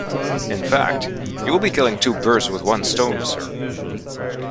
In fact, you will be killing two birds with one stone, sir.